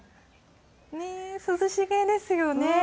涼しげですよね。